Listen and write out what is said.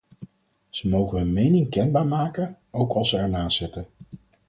Ze mogen hun mening kenbaar maken, ook als ze ernaast zitten.